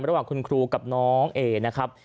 ระหว่างคุณครูกับน้องเอนะครับ